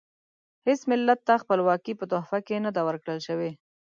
هیڅ ملت ته خپلواکي په تحفه کې نه ده ورکړل شوې.